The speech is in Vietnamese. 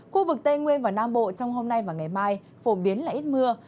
khu vực tây nguyên và nam bộ trong hôm nay và ngày mai phổ biến là ít mưa